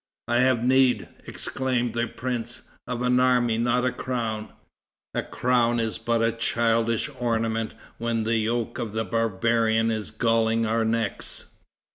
"I have need," exclaimed the prince, "of an army, not of a crown. A crown is but a childish ornament when the yoke of the barbarian is galling our necks."